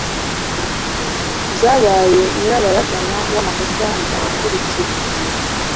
zabaye nyirabayazana w'amakosa akurikira